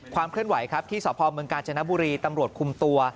เคลื่อนไหวครับที่สพเมืองกาญจนบุรีตำรวจคุมตัว